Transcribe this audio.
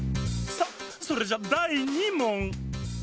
さあそれじゃだい２もん。